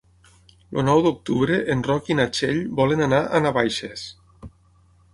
El nou d'octubre en Roc i na Txell volen anar a Navaixes.